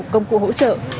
công cụ hỗ trợ